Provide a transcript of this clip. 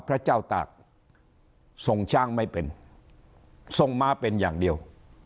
พระเจ้าตากทรงช้างไม่เป็นทรงม้าเป็นอย่างเดียว